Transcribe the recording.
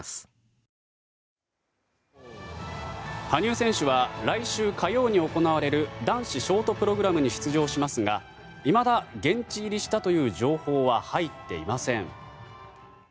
羽生選手は来週火曜に行われる男子ショートプログラムに出場しますがいまだ、現地入りしたという情報は入っていません。